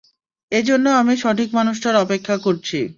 এজন্য আমি সঠিক মানুষটার অপেক্ষা করছি।